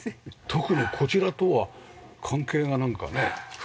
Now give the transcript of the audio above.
特にこちらとは関係がなんかね深いような。